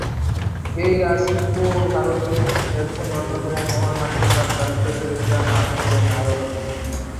এই রাজপুত্র ভারতের একজন অন্যতম মহান নাট্যকার কালিদাসের একটা নাটকের নায়ক।